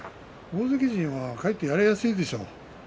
大関陣はかえってやりやすいでしょう。